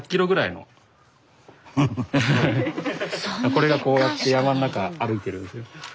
これがこうやって山の中歩いてるんです。